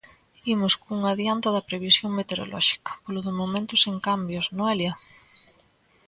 Imos cun adiando da previsión meteorolóxica, polo momento sen cambios, Noelia?